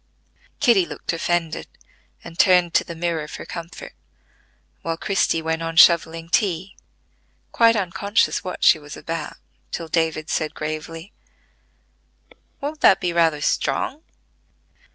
Kitty looked offended, and turned to the mirror for comfort; while Christie went on shovelling tea, quite unconscious what she was about till David said gravely: "Won't that be rather strong?"